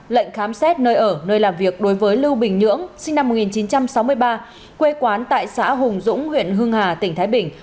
lệnh khám xét nơi ở nơi làm việc đối với lưu bình nhưỡng sinh năm một nghìn chín trăm sáu mươi ba quê quán tại xã hùng dũng huyện hương hà tỉnh thái bình